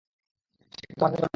সে কি তোর সাথে এসব করেছে?